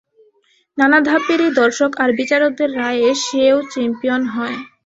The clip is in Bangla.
নানা ধাপ পেরিয়ে দর্শক আর বিচারকদের রায়ে সে ও চ্যাম্পিয়ন হয়।